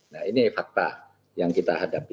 nah ini fakta yang kita hadapi